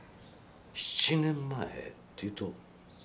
７年前っていうと。